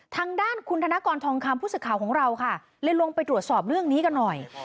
ทางด้านคุณธนกรทองคำผู้สื่อข่าวของเราค่ะเลยลงไปตรวจสอบเรื่องนี้กันหน่อย